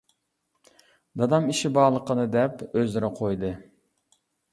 دادام ئىشى بارلىقىنى دەپ ئۆزرە قويدى.